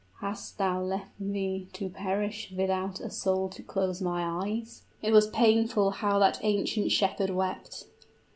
hast thou left me to perish without a soul to close my eyes?" It was painful how that ancient shepherd wept.